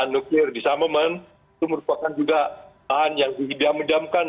nuklir desumment itu merupakan juga bahan yang dihidam hidamkan